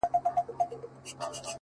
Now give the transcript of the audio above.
زما د تصور لاس گراني ستا پر ځــنگانـه-